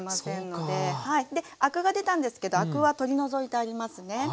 でアクが出たんですけどアクは取り除いてありますね。